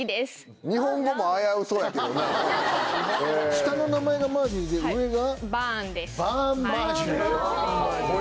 下の名前がマージュリーで上が？